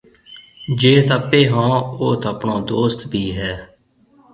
جيٿ آپيَ هون اوٿ آپڻو دوست ڀِي هيَ۔